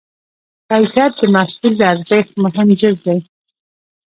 کیفیت د محصول د ارزښت مهم جز دی.